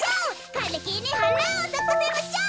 かれきにはなをさかせましょう！」。